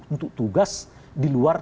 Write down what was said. untuk tugas di luar